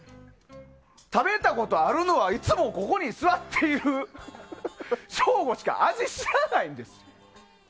食べたことあるのはいつも、ここに座っている省吾しか味知らないんです。